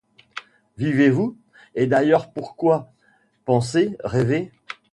Vivez-vous ? et d’ailleurs, pourquoi ? pensez, rêvez